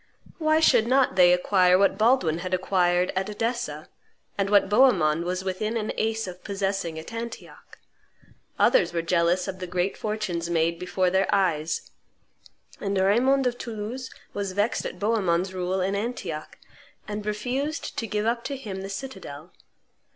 Why should not they acquire what Baldwin had acquired at Edessa, and what Bohemond was within an ace of possessing at Antioch? Others were jealous of the great fortunes made before their eyes: and Raymond of Toulouse was vexed at Bohemond's rule in Antioch, and refused to give up to him the citadel.